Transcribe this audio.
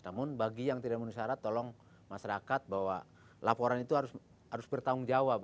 namun bagi yang tidak memenuhi syarat tolong masyarakat bahwa laporan itu harus bertanggung jawab